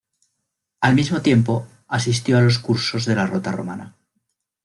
Al mismo tiempo, asistió a los cursos de la Rota Romana.